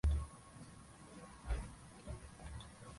sasa mzee shaa wewe wewe uko dar es salam